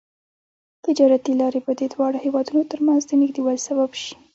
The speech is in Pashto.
تجارتي لارې به د دواړو هېوادونو ترمنځ د نږدیوالي سبب شي.